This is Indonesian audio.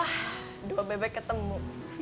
wah dua bebek ketemu